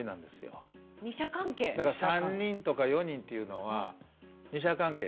だから３人とか４人っていうのは二者関係ね。